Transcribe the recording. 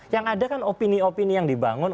yang ada kan opini opini yang dibangun